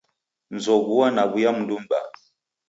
Nzoghua naw'uya mndu m'baa.